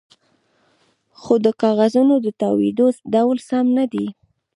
د کاغذونو د تاویدو ډول سم نه دی